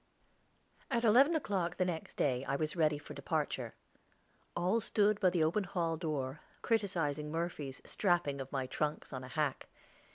At eleven o'clock the next day I was ready for departure. All stood by the open hall door, criticising Murphy's strapping of my trunks on a hack.